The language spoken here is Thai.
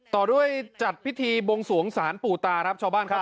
ต่อด้วยจัดพิธีบวงสวงศาลปู่ตาครับชาวบ้านครับ